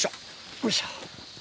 よいしょ。